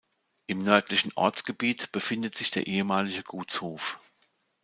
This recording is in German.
Im nördlichen Ortsgebiet befindet sich der ehemalige Gutshof.